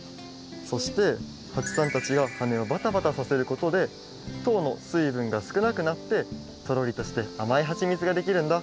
そしてはちさんたちが羽をバタバタさせることでとうの水分がすくなくなってとろりとしてあまいはちみつができるんだ。